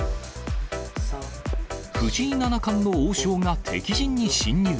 藤井七冠の王将が敵陣に侵入。